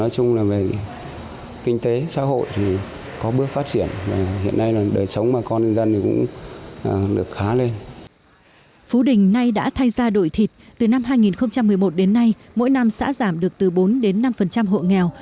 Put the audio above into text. ông ma đình đã thay đổi thịt từ năm hai nghìn một mươi một đến nay mỗi năm xã giảm được từ bốn đến năm hộ nghèo